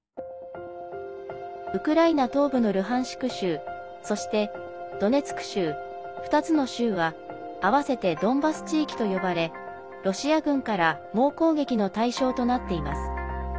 ウクライナ東部のルハンシク州そして、ドネツク州２つの州は合わせてドンバス地域と呼ばれロシア軍から猛攻撃の対象となっています。